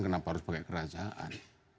kenapa harus pakai kerajaan